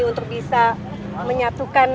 untuk bisa menyatukan